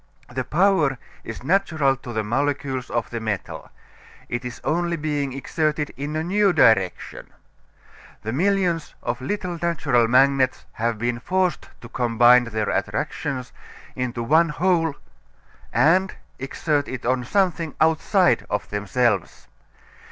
The power is natural to the molecules of the metal. It is only being exerted in a new direction. The millions of little natural magnets have been forced to combine their attractions into one whole and exert it on something outside of themselves.